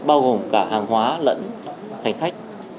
bao gồm cả hàng hóa lẫn thành khách